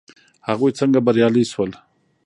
هغوی څنګه بریالي شول.